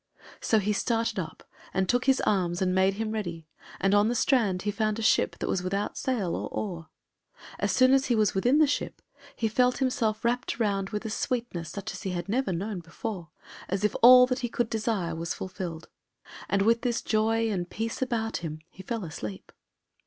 So he started up and took his arms and made him ready, and on the strand he found a ship that was without sail or oar. As soon as he was within the ship, he felt himself wrapped round with a sweetness such as he had never known before, as if all that he could desire was fulfilled. And with this joy and peace about him he fell asleep.